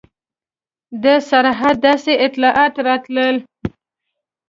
د سرحده داسې اطلاعات راتلل.